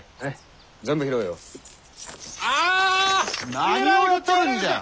何をやっとるんじゃ！